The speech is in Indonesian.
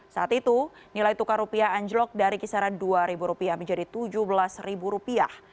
saat itu nilai tukar rupiah anjlok dari kisaran dua ribu rupiah menjadi tujuh belas rupiah